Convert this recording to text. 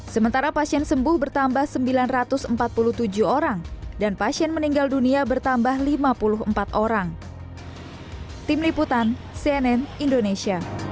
sementara pasien sembuh bertambah sembilan ratus empat puluh tujuh orang dan pasien meninggal dunia bertambah lima puluh empat orang